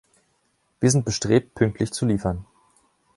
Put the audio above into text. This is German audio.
Wir sind bestrebt, pünktlich zu liefern.